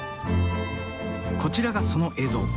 こちらがその映像。